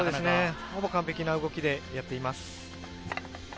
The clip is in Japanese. ほぼ完璧な動きでやっています。